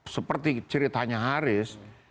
seperti ceritanya haris